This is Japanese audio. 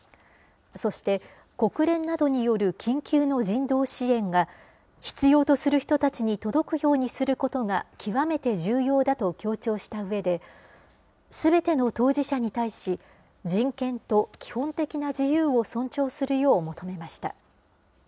そして、国連などによる緊急の人道支援が必要とする人たちに届くようにすることが極めて重要だと強調したうえで、すべての当事者に対し、人権と基本的な自由を尊重するよう求めました。